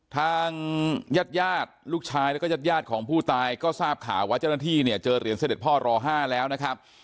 ทางญาติญาติลูกชายแล้วก็ญาติของผู้ตายก็ทราบข่าวว่าเจ้าหน้าที่เนี่ยเจอเหรียญเสด็จพ่อรอ๕แล้วนะครับ